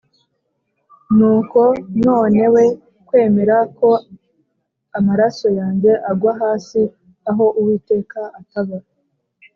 Nuko none we kwemera ko amaraso yanjye agwa hasi aho Uwiteka ataba